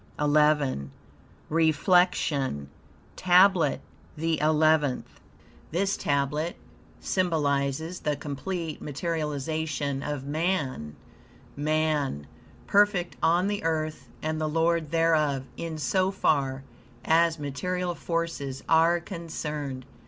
XI REFLECTION TABLET THE ELEVENTH This tablet symbolizes the complete materialization of man man, perfect on the earth and the lord thereof, in so far as material forces are concerned.